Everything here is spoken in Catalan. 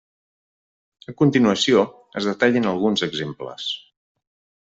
A continuació es detallen alguns exemples.